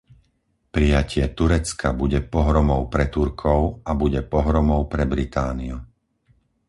Prijatie Turecka bude pohromou pre Turkov a bude pohromou pre Britániu.